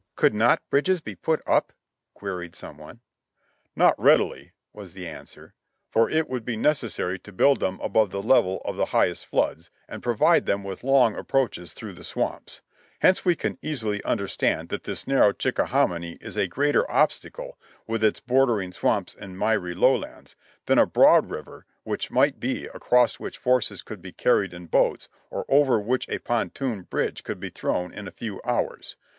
"Could not bridges be put up?" queried some one. "Not readily," was the answer, "for it would be necessary to build them above the level of the highest floods, and provide them with long approaches through the swamps ; hence we can easily understand that this narrow Chickahominy is a greater obstacle, with its bordering swamps and mirey lowlands, than a broad river might be, across which forces could be carried in boats, or over which a pontoon bridge could be thrown in a few hours.